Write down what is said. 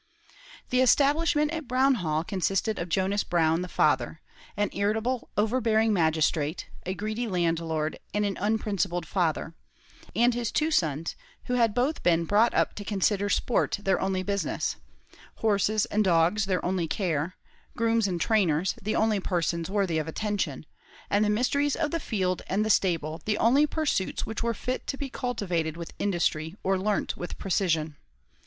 The establishment at Brown Hall consisted of Jonas Brown, the father an irritable, overbearing magistrate, a greedy landlord, and an unprincipled father and his two sons, who had both been brought up to consider sport their only business; horses and dogs their only care; grooms and trainers the only persons worthy of attention, and the mysteries of the field and the stable the only pursuits which were fit to be cultivated with industry or learnt with precision.